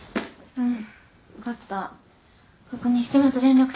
うん。